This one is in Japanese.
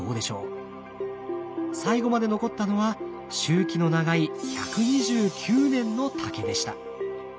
最後まで残ったのは周期の長い１２９年の竹でした。